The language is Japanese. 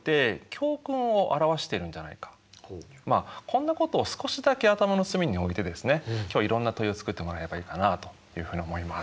こんなことを少しだけ頭の隅に置いてですね今日はいろんな問いを作ってもらえばいいかなというふうに思います。